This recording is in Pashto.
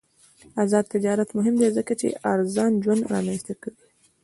آزاد تجارت مهم دی ځکه چې ارزان ژوند رامنځته کوي.